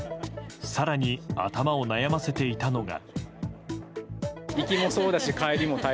更に頭を悩ませていたのが。